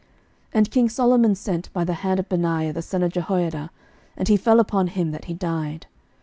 11:002:025 And king Solomon sent by the hand of Benaiah the son of Jehoiada; and he fell upon him that he died.